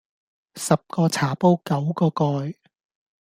十個茶煲九個蓋